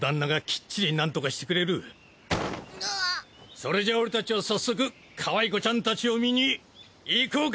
それじゃ俺たちは早速かわいこちゃんたちを見に行こうか！